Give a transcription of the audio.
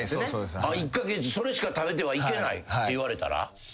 １カ月それしか食べてはいけないって言われたら。